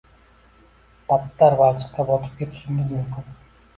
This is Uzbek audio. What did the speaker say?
Battar balchiqqa botib ketishingiz mumkin.